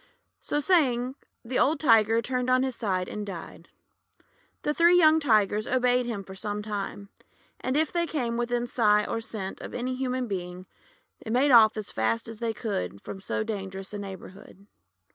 So saying, the old Tiger turned on his side and died. The three young Tigers obeyed him for some time; and if they came within sight or scent of any human being, made off as fast as they could from so dangerous a neighbourhood.